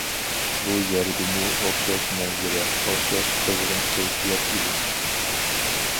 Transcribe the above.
بۇ يەردىمۇ ئوخشاش مەنزىرە، ئوخشاش قىزغىن كەيپىيات ئىدى.